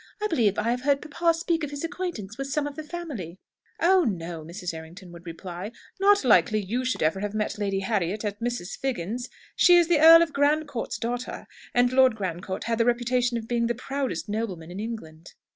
I believe I have heard papa speak of his acquaintance with some of the family." "Oh no," Mrs. Errington would reply; "not likely you should have ever met Lady Harriet at Mrs. Figgins's. She is the Earl of Grandcourt's daughter; and Lord Grandcourt had the reputation of being the proudest nobleman in England."